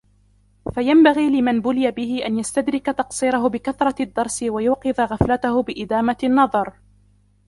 فَيَنْبَغِي لِمَنْ بُلِيَ بِهِ أَنْ يَسْتَدْرِكَ تَقْصِيرَهُ بِكَثْرَةِ الدَّرْسِ وَيُوقِظَ غَفْلَتَهُ بِإِدَامَةِ النَّظَرِ